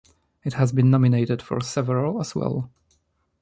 It has been nominated for several as well.